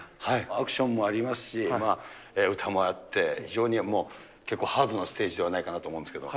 アクションもありますし、歌もあって、非常に結構ハードなステージではないかなと思うんですけど。